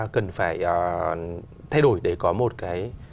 cần phải thay đổi để có một cái